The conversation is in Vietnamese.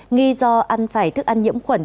nghi do ăn phải thức ăn nhiễm khuẩn